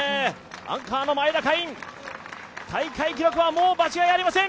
アンカーの前田海音、大会記録は間違いありません。